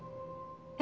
え？